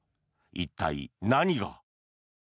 一体、何が。